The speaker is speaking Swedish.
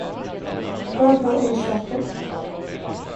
Vad var orsaken?